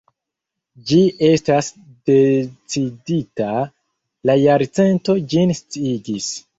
Ĝi estas decidita: _La Jarcento_ ĝin sciigis.